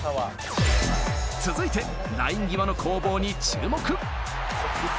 続いて、ライン際の攻防に注目。